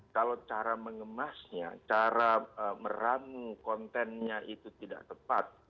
kalau cara mengemasnya cara meramu kontennya itu tidak tepat